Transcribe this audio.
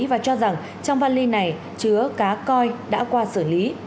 và cho rằng trong văn ly này chứa cá coi đã qua xử lý